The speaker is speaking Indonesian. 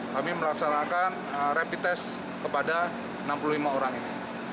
kami melaksanakan rapid test kepada enam puluh lima orang ini